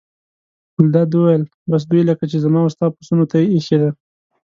ګلداد وویل: بس دوی لکه چې زما او ستا پسونو ته اېښې ده.